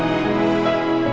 masak masak masak